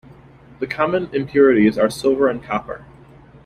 The common impurities are silver and copper.